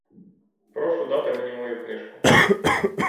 Прошу дати мені мою книжку.